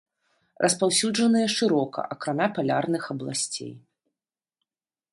Распаўсюджаныя шырока, акрамя палярных абласцей.